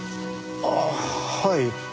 ああはい。